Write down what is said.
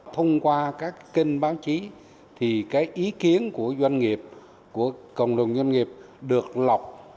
thông qua các kênh báo chí thì cái ý kiến của doanh nghiệp của cộng đồng doanh nghiệp được lọc